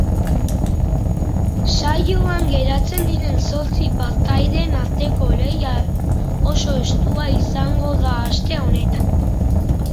Saioan geratzen diren zortzi partaideen arteko lehia oso estua izango da aste honetan.